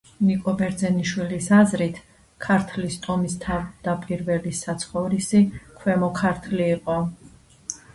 ნიკო ბერძენიშვილის აზრით, ქართლის ტომის თავდაპირველი საცხოვრისი ქვემო ქართლი იყო.